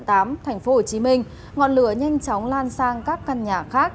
thành phố hồ chí minh ngọn lửa nhanh chóng lan sang các căn nhà khác